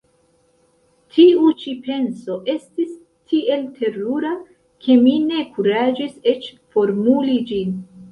Tiu ĉi penso estis tiel terura, ke mi ne kuraĝis eĉ formuli ĝin.